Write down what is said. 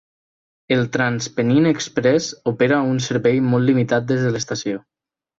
El TransPennine Express opera un servei molt limitat des de l'estació.